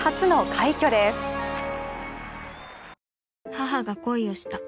母が恋をした。